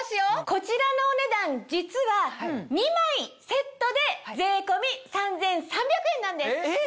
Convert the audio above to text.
こちらのお値段実は２枚セットで税込み３３００円なんです。